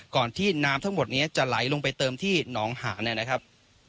ก่อนที่น้ำทั้งหมดนี้จะไหลลงไปเติมที่หนองหาเนี่ยนะครับ